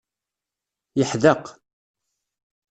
Yeḥdeq.